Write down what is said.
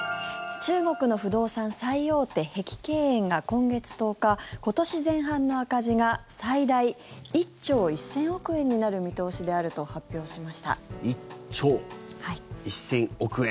中国の不動産最大手、碧桂園が今月１０日、今年前半の赤字が最大１兆１０００億円になる見通しであると１兆１０００億円。